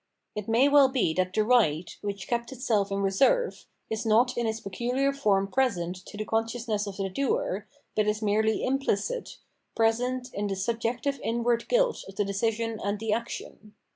It may well be that the right, wMch kept itself in reserve, is not in its pecuhar form present to the con sciousness of the doer, but is merely imphcit, present in the subjective inward gmlt of the decision and thd action.